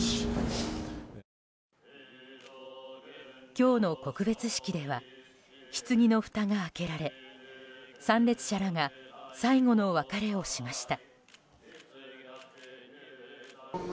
今日の告別式ではひつぎのふたが開けられ参列者らが最後の別れをしました。